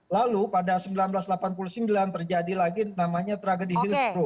lalu pada seribu sembilan ratus delapan puluh sembilan terjadi lagi namanya tragedi health pro